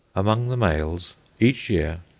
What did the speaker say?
Among the males each year, 26.